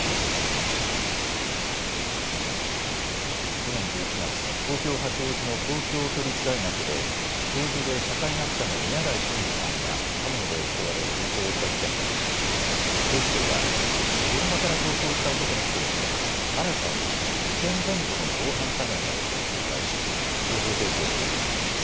去年１１月、東京八王子の東京都立大学で教授で社会学者の宮台真司さんが刃物で襲われ重傷を負った事件で警視庁は現場から逃走した男について新たに事件前後の防犯カメラの映像を公開し情報提供を呼びかけています。